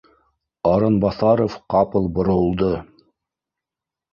Арынбаҫаров ҡапыл боролдо: